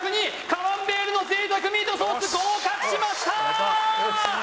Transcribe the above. カマンベールの贅沢ミートソース合格しました！